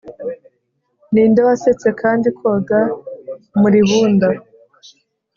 ninde wasetse kandi koga muri bund *